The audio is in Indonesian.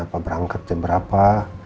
apa berangkat jam berapa